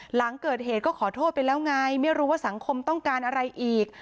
หลังเกิดเหตุก็ขอโทษไปแล้วไงไม่รู้ว่าสังคมต้องการอะไรอีก